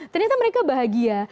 ternyata mereka bahagia